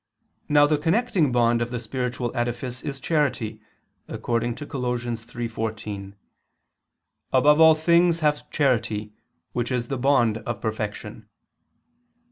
Now the connecting bond of the spiritual edifice is charity, according to Col. 3:14: "Above all ... things have charity which is the bond of perfection."